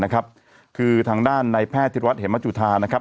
นะครับคือทางด้านในแพทย์ทิศวัฒน์เหมือนจุธานะครับ